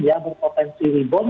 ya berpotensi rebound